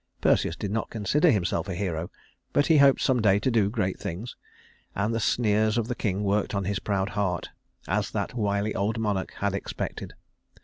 Perseus did not consider himself a hero, but he hoped some day to do great things; and the sneers of the king worked on his proud heart, as that wily old monarch had expected.